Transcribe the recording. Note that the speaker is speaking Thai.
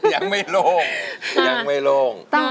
ยังไม่โล่ง